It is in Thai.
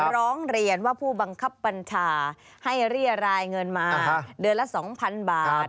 ร้องเรียนว่าผู้บังคับบัญชาให้เรียรายเงินมาเดือนละ๒๐๐๐บาท